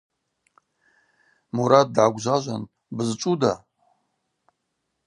Мурат дгӏагвжважван: – Бызчӏвуда?